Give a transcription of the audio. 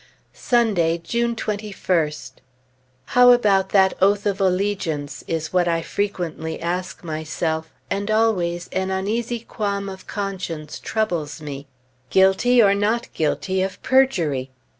Sunday, June 21st. How about that oath of allegiance? is what I frequently ask myself, and always an uneasy qualm of conscience troubles me. Guilty or not guilty of perjury?